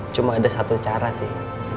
cuma ada satu cara sih